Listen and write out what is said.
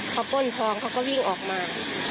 เขาป้นทองเขาก็วิ่งออกมา